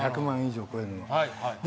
１００万以上超えるのは。